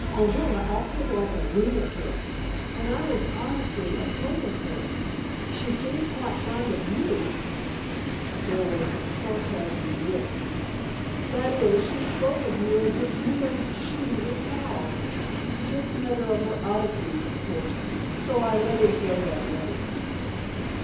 Orilla acted like a lunatic and I was honestly afraid of her. She seems quite fond of you " there was sarcasm in this "that is, she spoke of you as if you and she were pals. Just another one of her oddities, of course, so I let it go that way."